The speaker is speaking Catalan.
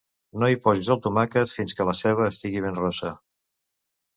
No hi posis el tomàquet fins que la ceba estigui ben rossa.